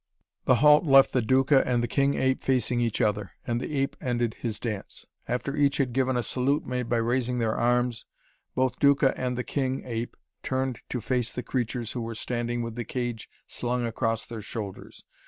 The halt left the Duca and the king ape facing each other, and the ape ended his dance. After each had given a salute made by raising their arms, both Duca and the king ape turned to face the creatures who were standing with the cage slung across their shoulders.